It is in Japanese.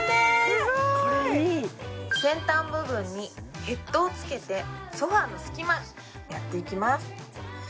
すごいこれいい先端部分にヘッドを付けてソファーの隙間やっていきます